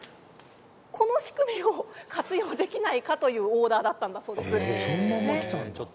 この仕組みを活用できないかというオーダーがあったそうです。